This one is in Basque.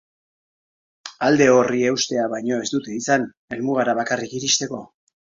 Alde horri eustea baino ez dute izan helmugara bakarrik iristeko.